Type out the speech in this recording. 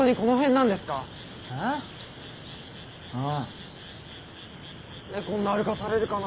何でこんな歩かされるかな。